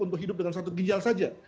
tumbuh hidup dengan satu ginjal saja